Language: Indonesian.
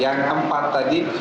yang empat tadi